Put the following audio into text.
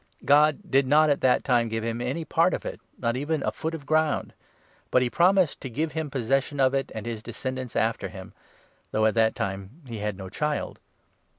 God did not at that time give him any 5 part of it, not even a foot of ground. But he promised to ' give him possession of it and his descendants after him,' though at that time he had no child.